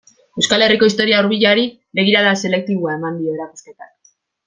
Euskal Herriko historia hurbilari begirada selektiboa eman dio erakusketak.